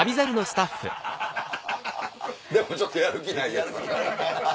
でもちょっとやる気ないです。